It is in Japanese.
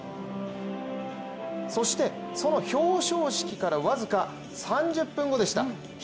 そして、その表彰式から僅か３０分後でした。